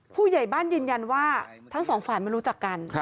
ผู้ใหญ่บ้านยืนยันว่าทั้งสองฝ่ายไม่รู้จักกัน